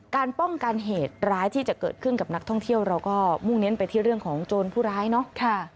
การป้องกันเหตุร้ายที่จะเกิดขึ้นกับนักท่องเที่ยวเราก็มุ่งเน้นไปที่เรื่องของโจรผู้ร้ายเนาะ